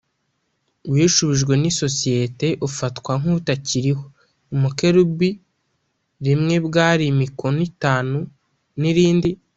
Wishubijwe n isosiyete ufatwa nk utakiriho umukerubi rimwe bwari mikono itanu n irindi